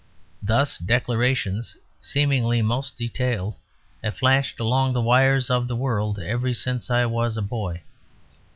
Thus declarations, seemingly most detailed, have flashed along the wires of the world ever since I was a boy.